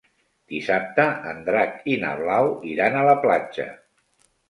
Dissabte en Drac i na Blau iran a la platja.